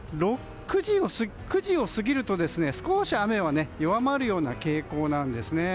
９時を過ぎると少し雨が弱まるような傾向です。